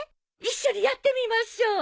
一緒にやってみましょう！